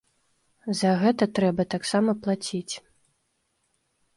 За гэта трэба таксама плаціць.